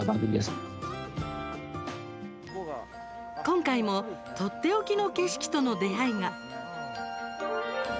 今回もとっておきの景色との出会いが。